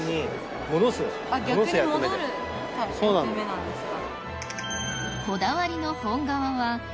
逆に戻る役目なんですか。